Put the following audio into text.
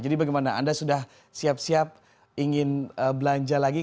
jadi bagaimana anda sudah siap siap ingin belanja lagi